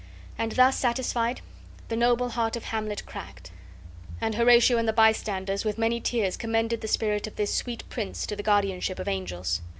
And, thus satisfied, the noble heart of Hamlet cracked; and Horatio and the bystanders with many tears commended the spirit of this sweet prince to the guardianship of angels.